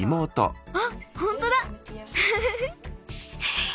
あっほんとだ！